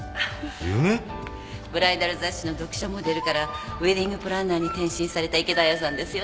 ブライダル雑誌の読者モデルからウエディングプランナーに転身された池田亜矢さんですよね。